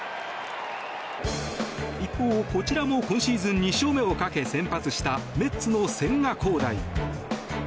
一方、こちらも今シーズン２勝目をかけ先発したメッツの千賀滉大。